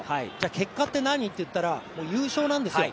結果って何っていったらもう優勝なんですよ。